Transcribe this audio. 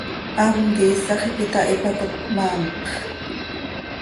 Am quih iisax iiqui itahípacot, maanpx.